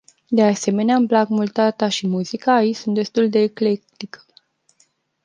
De asemenea, îmi plac mult arta și muzica, aici sunt destul de eclectică.